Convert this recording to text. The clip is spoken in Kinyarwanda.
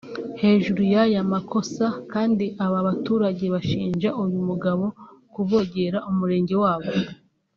Hejuru y’aya makosa kandi aba baturage bashinja uyu mugabo kuvogera umurenge wabo